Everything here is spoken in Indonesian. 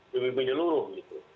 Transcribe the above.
lebih menyeluruh gitu